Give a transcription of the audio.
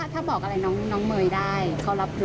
ถ้าบอกอะไรน้องเมย์ได้เขารับรู้